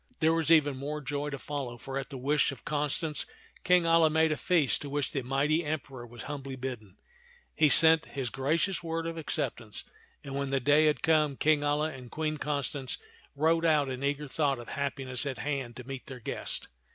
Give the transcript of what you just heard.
There was even more joy to follow, for at the wish of Constance King Alia made a feast to which the mighty Emperor was humbly bidden. He sent his gracious word of acceptance; and when the day had come, King Alia and Queen Constance rode out in eager thought of happiness at hand to meet their guest.